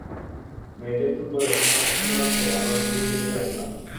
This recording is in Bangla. মেয়েদের ফুটবলে সুনাম অক্ষুণ্ন রাখতে আরও অনেক দূরে যেতে চাই আমরা।